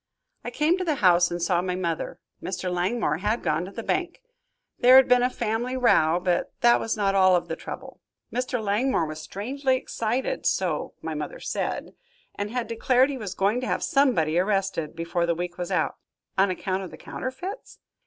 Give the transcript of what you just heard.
"I came to the house and saw my mother. Mr. Langmore had gone to the bank. There had been a family row, but that was not all of the trouble. Mr. Langmore was strangely excited, so my mother said, and had declared he was going to have somebody arrested, before the week was out." "On account of the counterfeits?"